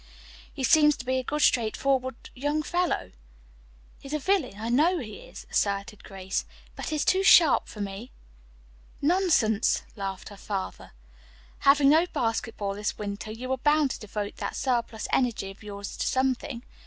"He seems to be a good straight forward young fellow." "He's a villain, I know he is," asserted Grace, "but he's too sharp for me." "Nonsense," laughed her father. "Having no basketball this winter you are bound to devote that surplus energy of yours to something.